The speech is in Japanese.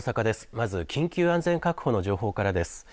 まず緊急安全確保の情報からです。